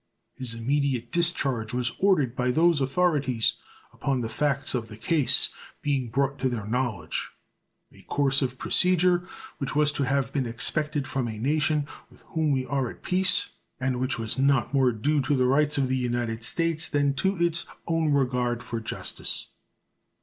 His immediate discharge was ordered by those authorities upon the facts of the case being brought to their knowledge a course of procedure which was to have been expected from a nation with whom we are at peace, and which was not more due to the rights of the United States than to its own regard for justice.